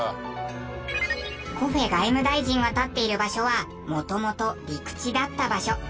コフェ外務大臣が立っている場所は元々陸地だった場所。